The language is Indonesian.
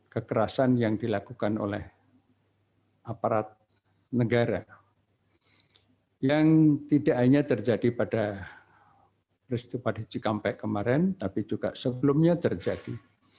kekerasan yang dilakukan oleh aparat negara yang tidak hanya terjadi pada peristiwa di cikampek kemarin tapi juga sebelumnya terjadi